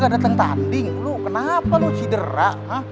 kakak dateng tanding lu kenapa lu cidera